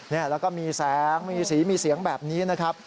แล้วก็มีแสงมีสีมีเสียงแบบนี้นะครับ